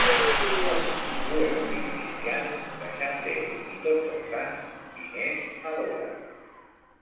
Moros, jueus i cristians, deixant Déu i tots els sants, diners adoren.